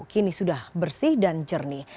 kini sudah bersih dan jernih